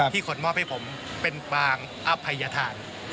คนมอบให้ผมเป็นปางอภัยธาน